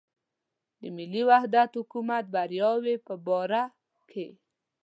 د ملي وحدت حکومت بریاوو په باره کې.